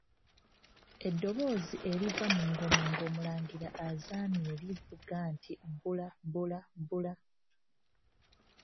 Eddoboozi eriva mu Ŋŋoma nga Omulangira azaamye livuga nti Bulwa, Bulwa, Bulwa.